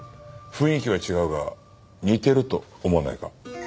雰囲気は違うが似てると思わないか？